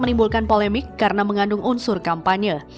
menimbulkan polemik karena mengandung unsur kampanye